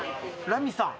「ラミさん